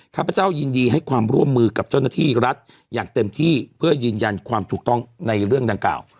ข้าพเจ้ายินดีให้ความร่วมมือกับเจ้าหน้าที่รัฐอย่างเต็มที่เพื่อยืนยันความถูกต้องในเรื่องดังกล่าว